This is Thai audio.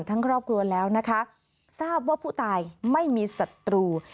ครอบครัวแล้วนะคะทราบว่าผู้ตายไม่มีศัตรู